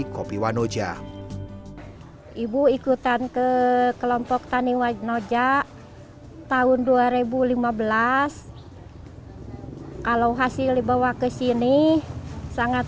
kopi wanoja ibu ikutan ke kelompok tani wainoja tahun dua ribu lima belas kalau hasil dibawa ke sini sangat